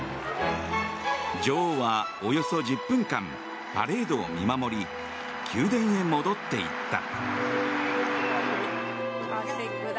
女王はおよそ１０分間パレードを見守り宮殿へ戻っていった。